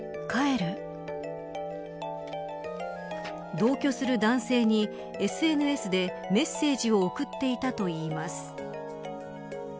同居する男性にＳＮＳでメッセージを送っていたといいます。